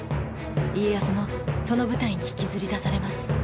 家康もその舞台に引きずり出されます。